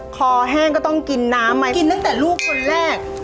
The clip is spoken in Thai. แห้งก็ต้องกินน้ำมากินตั้งแต่ลูกคนแรก